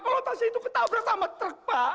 kalau tasnya itu ketabrak sama truk pak